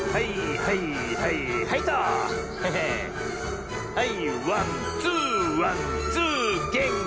はいはい！